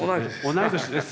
同い年です。